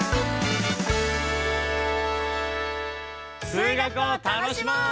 数学を楽しもう！